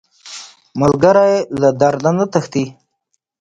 ملګری له درده نه تښتي